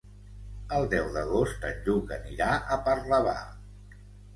El deu d'agost en Lluc anirà a Parlavà.